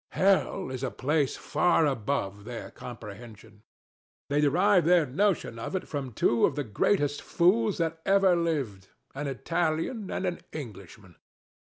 Hell is a place far above their comprehension: they derive their notion of it from two of the greatest fools that ever lived, an Italian and an Englishman.